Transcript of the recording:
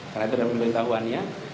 karena itu sudah memberi tahuan ya